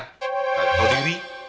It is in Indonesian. tak ada mau diri